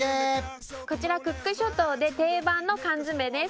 こちらクック諸島で定番の缶詰です